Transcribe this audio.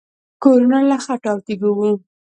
کورونه له خټو او تیږو وو